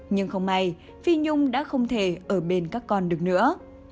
nhưng không may phi nhung đã không thể ở bên các con được nữa